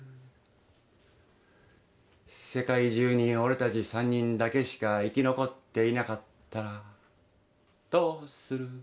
世界中に俺たち３人だけしか生き残っていなかったらどうする？